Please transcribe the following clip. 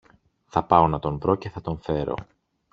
Θα πάω να τον βρω και θα τον φέρω.